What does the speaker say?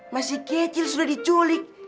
masih kecil sudah diculik